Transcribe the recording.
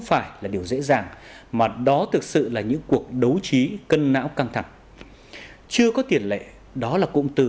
phải là điều dễ dàng mà đó thực sự là những cuộc đấu trí cân não căng thẳng chưa có tiền lệ đó là cụm từ